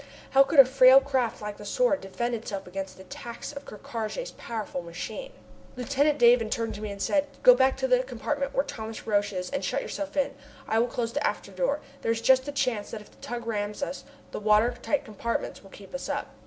How could a frail craft like the Sword defend itself against the attacks of Ker Karraje's powerful machine? Lieutenant Davon turned to me and said: "Go back to the compartment where Thomas Roch is and shut yourself in. I will close the after door. There is just a chance that if the tug rams us the water tight compartments will keep us up."